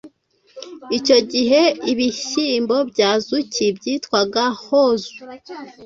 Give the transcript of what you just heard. Icyo gihe, ibihyimbo bya Azuki byitwaga "hozu"